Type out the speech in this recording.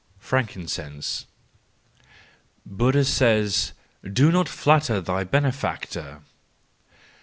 Frankincense. —Buddha says :" Do not flatter thy benefactor!